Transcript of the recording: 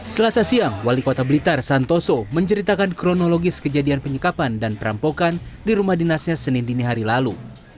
selasa siang wali kota blitar santoso menceritakan kronologis kejadian penyekapan dan perampokan di rumah dinasnya senin dini hari lalu